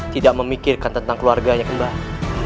tidak memikirkan tentang keluarganya kembali